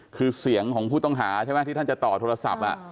คือเสียงของผู้ต้องหาใช่ไหมที่ท่านจะต่อโทรศัพท์